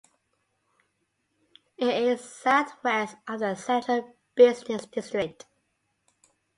It is south-west of the central business district.